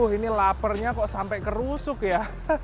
ini laparnya kok sampai kerusuk ya